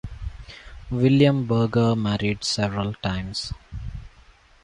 William Berger married several times.